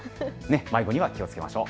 迷子には気をつけましょう。